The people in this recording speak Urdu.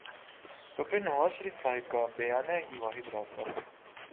تو پھر نوازشریف صاحب کا بیانیہ ہی واحد راستہ ہے۔